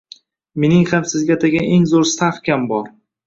Mening ham sizga atagan eng zo`r stavkam bor